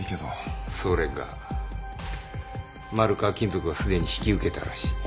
それが丸川金属はすでに引き受けたらしい。